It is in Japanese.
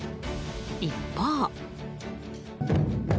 一方。